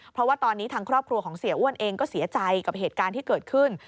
เพราะว่าตอนนี้ทางครอบครัวของเสียอ้วนเองก็เสียใจกับเหตุการณ์ที่เกิดขึ้น